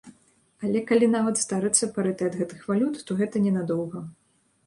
Але, калі нават здарыцца парытэт гэтых валют, то гэта ненадоўга.